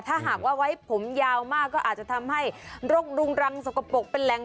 ถ้าหากว่าไว้ผมยาวมากก็อาจจะทำให้โรครุงรังสกปรกเป็นแหล่ง